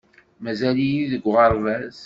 Mazal-iyi deg uɣerbaz.